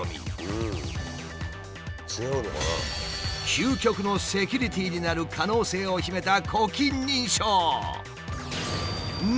究極のセキュリティーになる可能性を秘めた呼気認証。